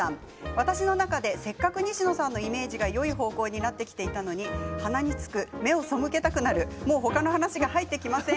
私の中でせっかく西野さんのイメージがよい方向になってきたのに鼻につく、目を背けたくなるもう他の話が入ってきません。